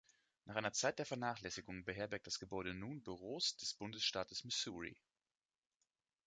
Nach einer Zeit der Vernachlässigung beherbergt das Gebäude nun Büros des Bundesstaates Missouri.